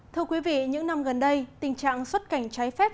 thưa quý vị những năm gần đây tình trạng xuất cảnh trái phép